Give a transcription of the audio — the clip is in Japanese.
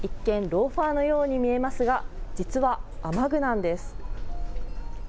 ローファーのように見えますが、実は雨具なんです。